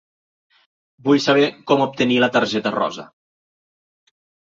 Vull saber com obtenir la targeta rosa.